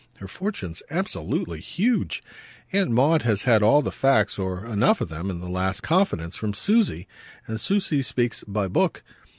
Her fortune's absolutely huge; Aunt Maud has had all the facts, or enough of them, in the last confidence, from 'Susie,' and Susie speaks by book.